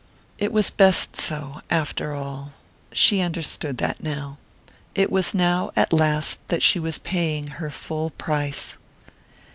It was best so, after all. She understood that now. It was now at last that she was paying her full price.